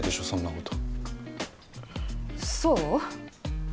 そんなことそう？